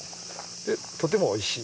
でとてもおいしい。